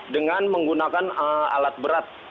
dengan menggunakan alat berat yang ada di sana